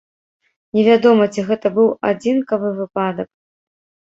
Невядома, ці гэта быў адзінкавы выпадак.